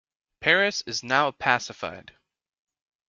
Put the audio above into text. Paris is now pacified.